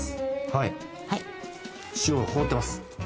はい塩が凍ってます